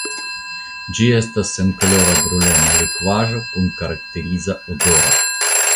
Ĝi estas senkolora brulema likvaĵo kun karakteriza odoro.